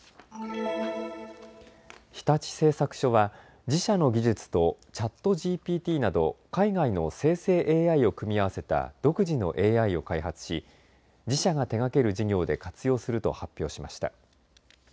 日立製作所は自社の技術とＣｈａｔＧＰＴなど海外の生成ＡＩを組み合わせた独自のＡＩを開発し自社が手がける事業で活用すると発表しました。